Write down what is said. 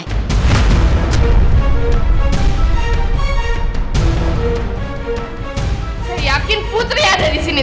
saya yakin putri ada di sini